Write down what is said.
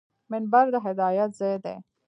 منبر د هدایت ځای دی